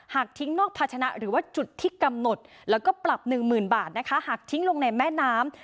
หากทิ้งนอกพัชนะหรือว่าจุดที่กำหนดแล้วก็ปรับ๑๐๐๐๐บาทหากทิ้งลงในแม่น้ำ